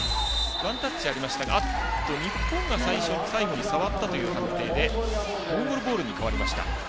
ワンタッチありましたが日本が最後に触ったという判定でモンゴルボールに変わりました。